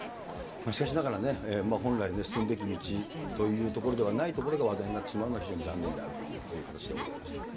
しかしながらね、本来進むべき道というところではないところが話題になってしまうのは非常に残念であるという形でございました。